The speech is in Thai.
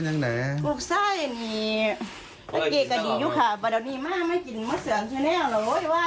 แม่อยากให้เอาไปรัฐสรรดาอยู่ค่ะ